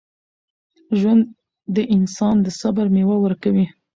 ژوند د انسان د صبر میوه ورکوي.